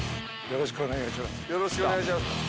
よろしくお願いします。